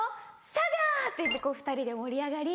「『サガ』！」って言って２人で盛り上がり